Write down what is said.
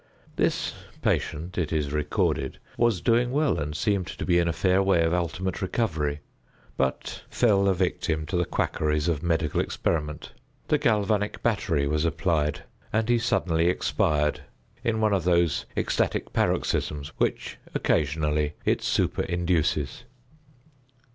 This patient, it is recorded, was doing well and seemed to be in a fair way of ultimate recovery, but fell a victim to the quackeries of medical experiment. The galvanic battery was applied, and he suddenly expired in one of those ecstatic paroxysms which, occasionally, it superinduces.